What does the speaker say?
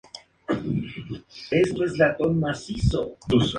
Entre sus otras habilidades están la pintura y tocar el piano.